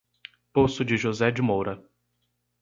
Poço de José de Moura